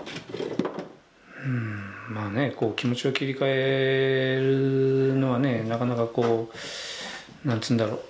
うんまあねえ気持ちを切り替えるのはなかなかこうなんて言うんだろう